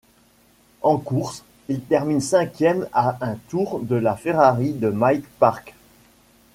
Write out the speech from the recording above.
En course, il termine cinquième, à un tour de la Ferrari de Mike Parkes.